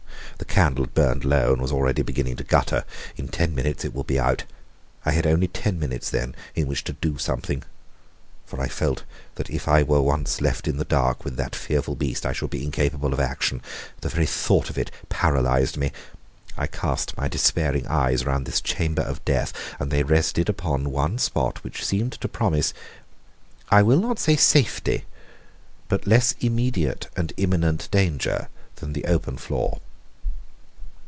The candle had burned low, and was already beginning to gutter. In ten minutes it would be out. I had only ten minutes then in which to do something, for I felt that if I were once left in the dark with that fearful beast I should be incapable of action. The very thought of it paralysed me. I cast my despairing eyes round this chamber of death, and they rested upon one spot which seemed to promise I will not say safety, but less immediate and imminent danger than the open floor.